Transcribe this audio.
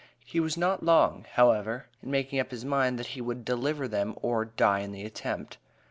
He was not long, however, in making up his mind that he would deliver them or "die in the attempt."